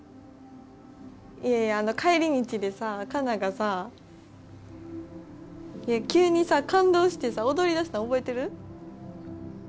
いやいやあの帰り道でさカナがさ急にさ感動してさ踊りだしたん覚えてる？